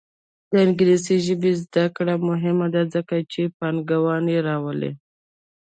د انګلیسي ژبې زده کړه مهمه ده ځکه چې پانګونه راوړي.